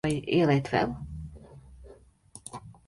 Vai ieliet vēl?